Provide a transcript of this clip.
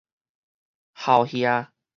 鱟桸